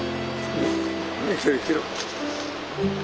いけるいける。